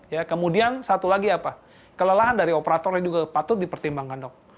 ya kemudian satu lagi apa kelelahan dari operator ini juga patut dipertimbangkan dok